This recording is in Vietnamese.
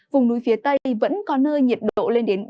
vùng núi phía tây vẫn có nơi nhiệt độ lên đến ba mươi